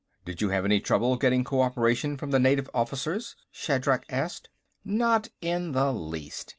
"Did you have any trouble getting cooperation from the native officers?" Shatrak asked. "Not in the least.